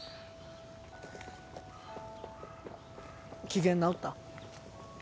機嫌直った？